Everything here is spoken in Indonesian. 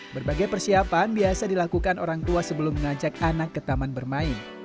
berbagai persiapan biasa dilakukan orang tua sebelum mengajak anak ke taman bermain